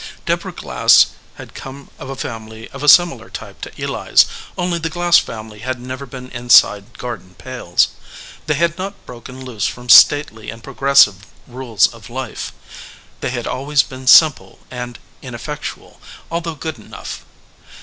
Deborah Glass had come of a family of a similar type to Eli s, only the Glass family had never been inside garden pales. They had not broken loose from stately and progressive rules of life. They had always been simple and ineffectual, although good enough.